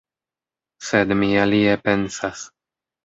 Sed mi alie pensas.